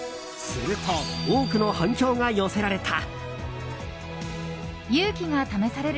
すると多くの反響が寄せられた。